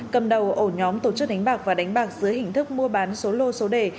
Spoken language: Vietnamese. cầm đầu ổ nhóm tổ chức đánh bạc và đánh bạc dưới hình thức mua bán số lô số đề